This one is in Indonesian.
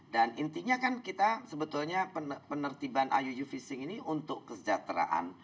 dan intinya kan kita sebetulnya penertiban iuu fishing ini untuk kesejahteraan